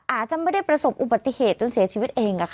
อาจจะไม่ได้ประสบอุบัติเหตุจนเสียชีวิตเอง